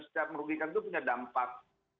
setiap merugikan itu punya dampak